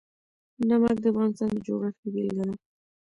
نمک د افغانستان د جغرافیې بېلګه ده.